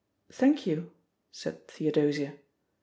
"Thank you," said Theodosia.